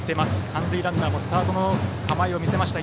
三塁ランナーもスタートの構えを見せました。